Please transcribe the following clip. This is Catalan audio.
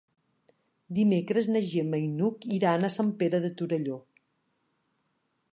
Dimecres na Gemma i n'Hug iran a Sant Pere de Torelló.